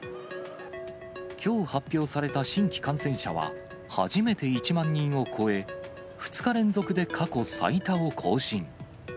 きょう発表された新規感染者は、初めて１万人を超え、２日連続で過去最多を更新。